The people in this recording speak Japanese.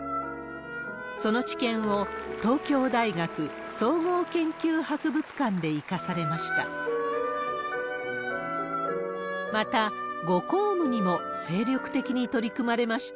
その知見を東京大学総合研究博物館で生かされました。